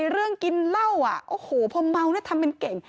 เรื่องกินเหล้าอ่ะโอ้โหพอเมาแล้วทำเป็นเก่ง